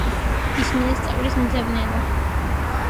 ისმინე სწავლის მძებნელო